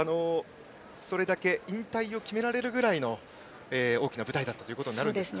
それだけ引退を決められるぐらいの大きな舞台だったということになるんですね。